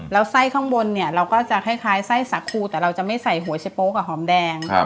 แล้วไส้ข้างบนเนี่ยเราก็จะคล้ายไส้สาคูแต่เราจะไม่ใส่หัวชะโป๊กับหอมแดง